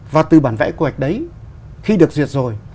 và từ bản vẽ quy hoạch đấy khi được duyệt rồi